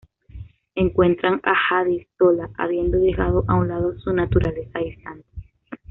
Encuentran a Jadis sola, habiendo dejado a un lado su naturaleza distante.